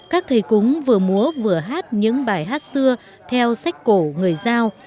các thầy cúng vừa múa vừa hát những bài hát xưa theo sách cổ người giao